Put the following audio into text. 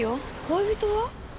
恋人は？